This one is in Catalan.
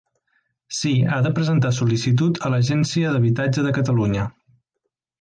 Sí, ha de presentar sol·licitud a l'Agència d'Habitatge de Catalunya.